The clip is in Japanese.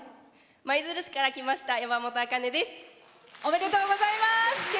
舞鶴市から来ましたやまもとです。